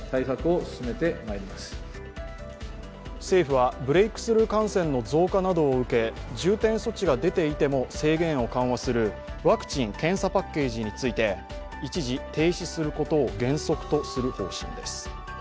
政府は、ブレークスルー感染の増加などを受け重点措置が出ていても制限を緩和するワクチン・検査パッケージについて一時停止することを原則とする方針です。